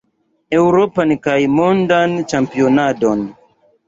Eŭropan kaj Mondan Ĉampionadon.